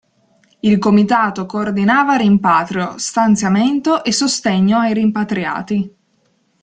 Il comitato coordinava rimpatrio, stanziamento e sostegno ai rimpatriati.